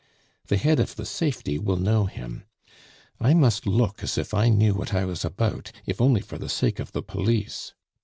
The head of the Safety will know him. I must look as if I knew what I was about, if only for the sake of the police!